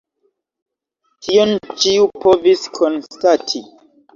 Tion ĉiu povis konstati.